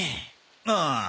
ああ。